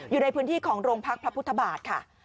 อยู่ในพื้นที่ของโรงพักพระพุทธบาทค่ะ